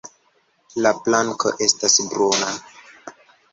La planko estas bruna.